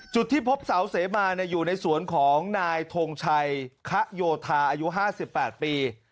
จุดที่พบเสาเสมาอยู่ในสวนของนายทงชัยคะโยธาอายุ๕๘ปี